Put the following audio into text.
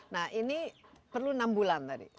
nah ini perlu enam bulan tadi